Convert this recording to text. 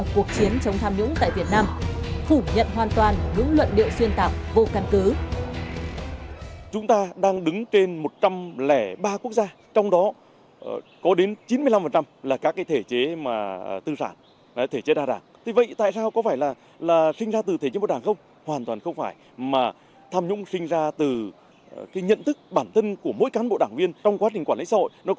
cho thành công trong cuộc chiến chống tham nhũng tại việt nam